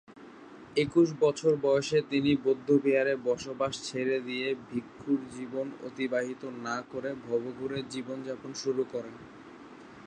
একুশ বছর বয়সে তিনি বৌদ্ধবিহারে বসবাস ছেড়ে দিয়ে ভিক্ষুর জীবন অতিবাহিত না করে ভবঘুরে জীবন যাপন শুরু করেন।